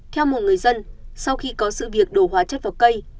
theo một người dân sau khi có sự việc đổ hóa chất vào cây